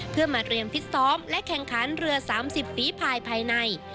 เพื่อมาเตรียมฟิตซ้อมและแข่งขันเรือ๓๐ฝีภายภายใน